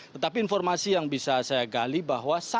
tetapi informasi yang bisa saya gali bahwa